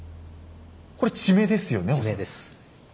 これ地名ですよね恐らく。